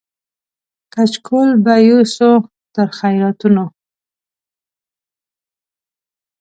کچکول به یوسو تر خیراتونو